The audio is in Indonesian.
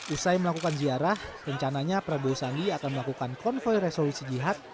usai melakukan ziarah rencananya prabowo sandi akan melakukan konvoy resolusi jihad